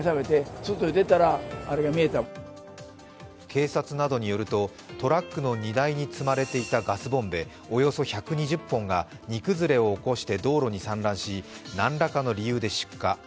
警察などによるとトラックの荷台に積まれていたガスボンベおよそ１２０本が荷崩れを起こして道路に散乱し何らかの理由で出荷。